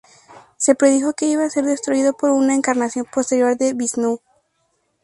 Se predijo que iba a ser destruido por una encarnación posterior de Visnú.